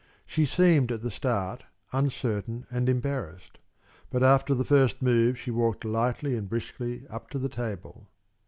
She seemed at the start uncertain and embarrassed, but after the first move she walked lightly and briskly up to the table.